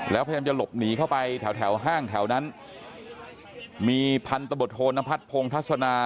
แล้วพยายามจะหลบหนีเข้าไปแถวแถวห้างแถวนั้นมีพันธบทโทนพัฒนพงทัศนา